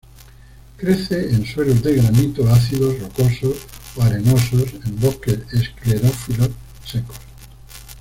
Crece en suelos de granito ácidos rocosos o arenosos en bosques esclerófilos secos.